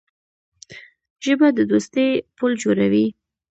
ژبه د دوستۍ پُل جوړوي